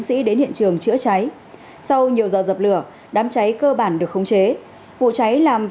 sĩ đến hiện trường chữa cháy sau nhiều giờ dập lửa đám cháy cơ bản được khống chế vụ cháy làm